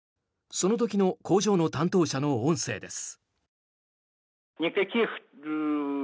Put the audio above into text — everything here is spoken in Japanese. その時の工場の担当者の音声です。